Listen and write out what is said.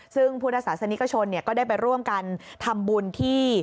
ซึ่งพุทธศาสนิกชนก็ได้ไปร่วมกันทำบุญที่